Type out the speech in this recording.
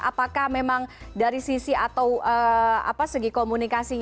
apakah memang dari sisi atau segi komunikasinya